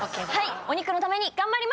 お肉のために頑張ります！